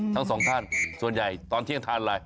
ทั้งสองท่านส่วนใหญ่ตอนเที่ยงทานอะไร